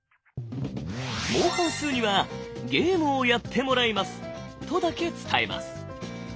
もう半数には「ゲームをやってもらいます」とだけ伝えます。